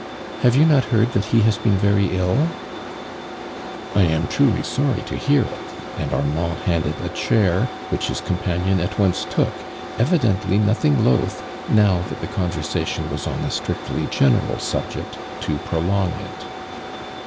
" Have you not heard that h< has been very ill?" '• lamtrulysorry tohear it," and Arman<l handed a chair, which his companion at once took, evidently nothing loath, now that the conversation was on a strictl\ general subject, to prolong it.